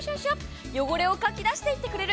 汚れをかき出していってくれる。